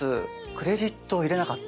クレジットを入れなかった。